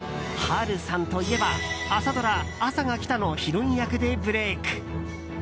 波瑠さんといえば朝ドラ「あさが来た」のヒロイン役でブレーク。